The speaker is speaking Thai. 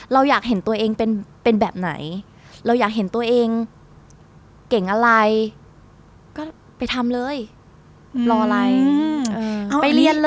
เราอยากเห็นตัวเองเป็นแบบไหนเราอยากเห็นตัวเองเก่งอะไรก็ไปทำเลยรออะไร